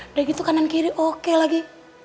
udah gitu kanan kiri oke lagi